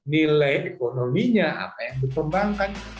nilai ekonominya apa yang dikembangkan